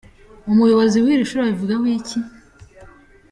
Umuyobozi w’iri shuri abivugaho iki ?.